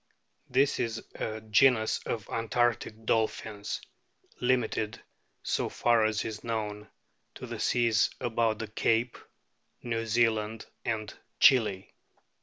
This is a genus of antarctic dolphins, limited, so far as is known, to the seas about the Cape, New Zealand, and Chili.